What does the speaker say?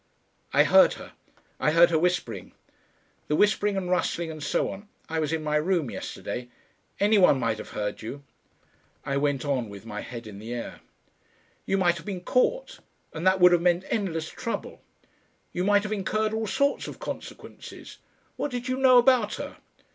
"I heard her. I heard her whispering.... The whispering and rustling and so on. I was in my room yesterday.... Any one might have heard you." I went on with my head in the air. "You might have been caught, and that would have meant endless trouble. You might have incurred all sorts of consequences. What did you know about her?...